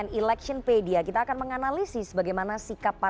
tim liputan cnn indonesia